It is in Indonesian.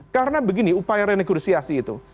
karena begini upaya renegosiasi itu